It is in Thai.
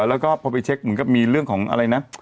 แล้วก็พอไปเช็คเหมือนกับมีเรื่องของอะไรนะ